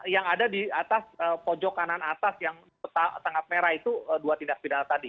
yang ada di atas pojok kanan atas yang sangat merah itu dua tindak pidana tadi